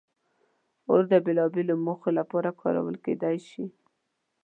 اور د بېلابېلو موخو لپاره کارول کېدی شي.